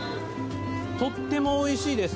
とってもおいしいです。